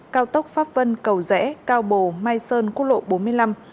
cao tốc pháp vân cầu rẽ cao bồ mai sơn quốc lộ bốn mươi năm